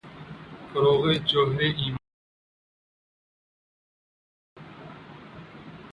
فروغِ جوہرِ ایماں، حسین ابنِ علی